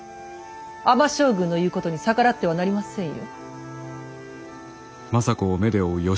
尼将軍の言うことに逆らってはなりませんよ。